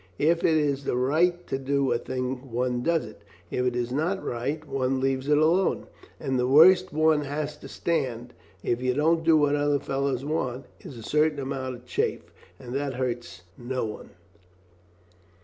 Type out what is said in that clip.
If it is right to do a thing one does it, if it is not right one leaves it alone, and the worst one has to stand, if you don't do what other fellows want, is a certain amount of chaff, and that hurts no one."